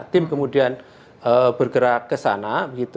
tim kemudian bergerak ke sana